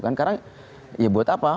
karena ya buat apa